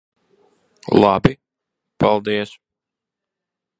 Labi. Paldies.